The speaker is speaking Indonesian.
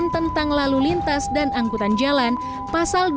tentang lalu lintas dan angkutan jalan pasal dua ratus delapan puluh tujuh ayat empat